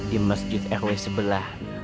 di masjid rw sebelah